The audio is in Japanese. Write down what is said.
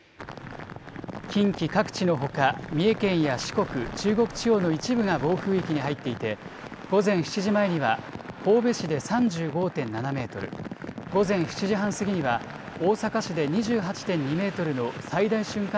近畿各地のほか、三重県や四国、中国地方の一部が暴風域に入っていて、午前７時前には神戸市で３５．７メートル、午前７時半過ぎには大阪市で２８．２メートルの最大瞬間